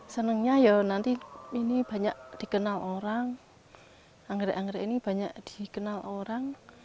senangnya ya nanti ini banyak dikenal orang anggrek anggrek ini banyak dikenal orang